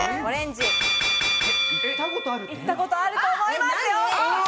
見たことあると思いますよ。